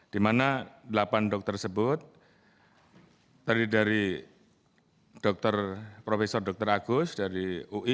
di mana delapan dokter tersebut terdiri dari prof dr agus dari ui